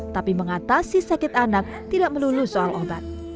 tapi mengatasi sakit anak tidak melulu soal obat